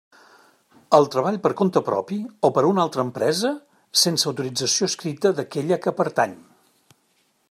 El treball per compte propi o per a una altra empresa, sense autorització escrita d'aquella que pertany.